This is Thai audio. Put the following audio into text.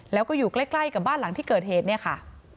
แล้วก็อยู่ใกล้กับบ้านหลังที่เกิดเหตุเนี่ยค่ะ